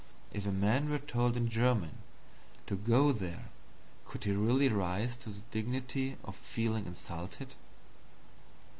If a man were told in German to go there, could he really rise to thee dignity of feeling insulted?